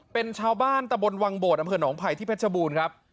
เป็นชาวบ้านตะบนวังโบดอำเภอหนองไผ่ที่เพชรบูรณ์ครับ